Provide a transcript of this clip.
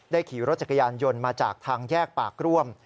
ขี่รถจักรยานยนต์มาจากทางแยกปากร่วม